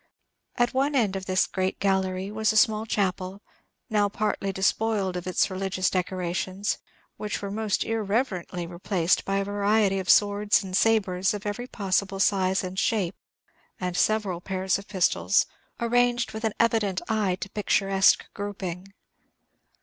At one end of this great gallery was a small chapel, now partly despoiled of its religious decorations, which were most irreverently replaced by a variety of swords and sabres of every possible size and shape, and several pairs of pistols, arranged with an evident eye to picturesque grouping.